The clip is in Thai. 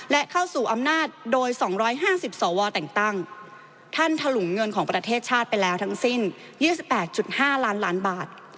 และเข้าสู่อำนาจโดย๒๕๐สวแต่งตั้งท่านถลุงเงินของประเทศชาติไปแล้วทั้งสิ้น๒๘๕ล้านล้านบาท